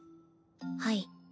はい。